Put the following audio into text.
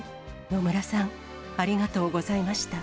野村さん、ありがとうございました。